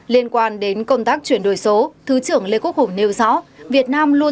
liên quan đến công tác chuyển đổi số thứ trưởng lê quốc hùng nêu rõ